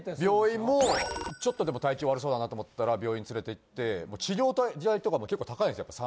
病院もちょっとでも体調悪そうだなと思ったら病院連れていって治療代とかも結構高いんですよ。